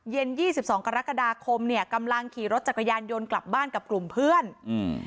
ยี่สิบสองกรกฎาคมเนี่ยกำลังขี่รถจักรยานยนต์กลับบ้านกับกลุ่มเพื่อนอืม